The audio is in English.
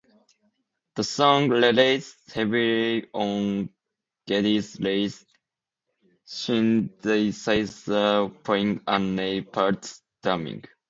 The song relies heavily on Geddy Lee's synthesizer playing and Neil Peart's drumming.